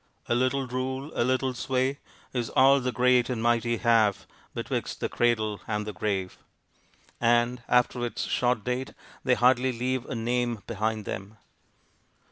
A little rule, a little sway, Is all the great and mighty have Betwixt the cradle and the grave and, after its short date, they hardly leave a name behind them.